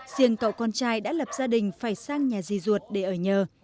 riêng cậu con trai đã lập gia đình phải sang nhà di ruột để ở nhờ